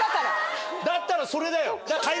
だったらそれだよ。